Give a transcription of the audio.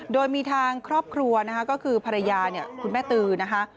โดยมีทางครอบครัวก็คือภรรยาคุณแม่ตือนะคะ